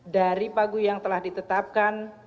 dari pagu yang telah ditetapkan